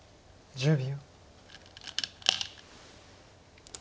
１０秒。